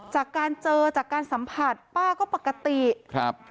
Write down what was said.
จากการเจอจากการสัมผัสป้าก็ปกติครับ